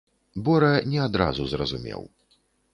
Бора не адразу зразумеў.